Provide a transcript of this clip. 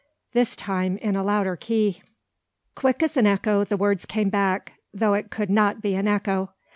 this time in a louder key. Quick as an echo the words came back, though it could not be an echo.